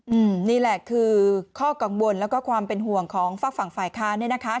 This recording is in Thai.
อืมนี่แหละคือข้อกลัวและความเป็นห่วงของฝากฝั่งฝ่ายค้านนะครับ